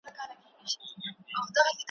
تا ډېرې که پردې د بې نيازۍ کــــړې پرې را ښکته